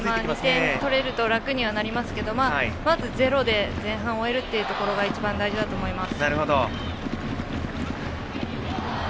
２点取れると楽になりますがまずはゼロで前半を終えることが一番大事だと思います。